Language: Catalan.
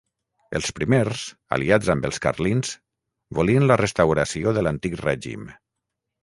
Els primers, aliats amb els carlins, volien la restauració de l'Antic Règim.